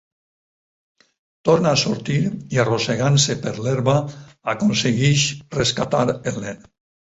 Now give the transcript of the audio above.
Torna a sortir i, arrossegant-se per l'herba, aconsegueix rescatar el nen.